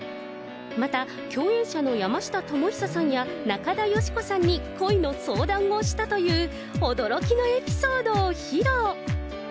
また、共演者の山下智久さんや中田喜子さんに恋の相談をしたという、驚きのエピソードを披露。